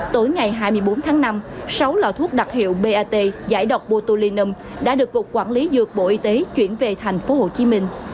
tối ngày hai mươi bốn tháng năm sáu lọ thuốc đặc hiệu bat giải độc botulinum đã được cục quản lý dược bộ y tế chuyển về thành phố hồ chí minh